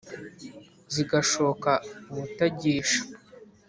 zigashoka ubutagisha